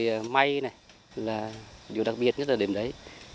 khâu may này là điều đặc biệt nhất là điểm đấy